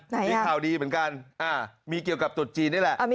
มีข่าวดีเหมือนกันมีเกี่ยวกับตุดจีนนี่แหละ